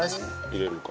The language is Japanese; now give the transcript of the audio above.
入れるか。